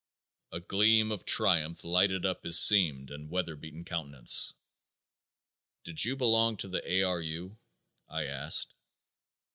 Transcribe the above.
A gleam of triumph lighted up his seamed and weatherbeaten countenance. "Did you belong to the A. R. U.?" I asked.